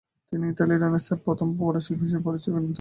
তিনি ইতালীয় রেনেসাঁসের প্রথম বড় শিল্পী হিসেবে পরিগণিত।